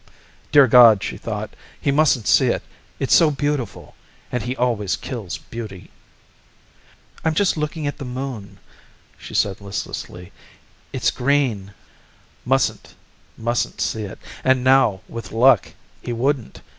Dear God, she thought, he mustn't see it. It's so beautiful, and he always kills beauty. "I'm just looking at the Moon," she said listlessly. "It's green." Mustn't, mustn't see it. And now, with luck, he wouldn't.